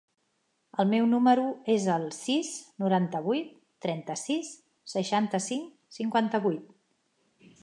El meu número es el sis, noranta-vuit, trenta-sis, seixanta-cinc, cinquanta-vuit.